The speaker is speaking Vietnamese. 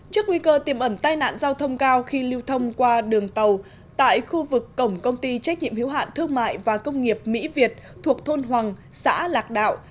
trước nguy cơ tiềm ẩn tai nạn giao thông cao khi lưu thông qua đường tàu tại khu vực cổng công ty trách nhiệm hiếu hạn thương mại và công nghiệp mỹ việt thuộc thôn hoàng xã lạc đạo